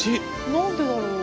何でだろう？